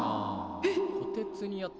「えっ？